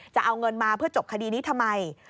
จะเอาเงินมาเพื่อจบคดีนี้ทำไม